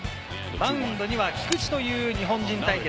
マウンドには菊池という日本人対決。